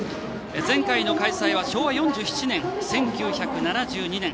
前回の開催は昭和４７年１９７２年。